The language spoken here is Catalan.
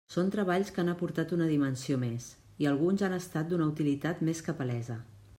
Són treballs que han aportat una dimensió més, i alguns han estat d'una utilitat més que palesa.